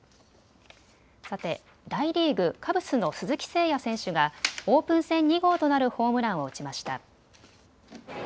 さて大リーグ、カブスの鈴木誠也選手がオープン戦２号となるホームランを打ちました。